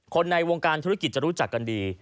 ในวงการธุรกิจจะรู้จักกันดี